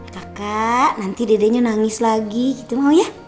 kakak nanti dedenya nangis lagi gitu mau ya